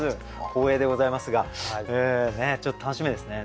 光栄でございますがちょっと楽しみですね。